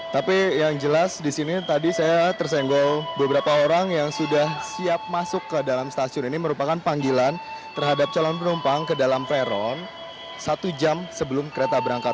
tapi yang jelas disini tadi saya tersenggol beberapa orang yang sudah siap masuk ke dalam stasiun ini merupakan panggilan terhadap calon penumpang ke dalam peron satu jam sebelum kereta berangkat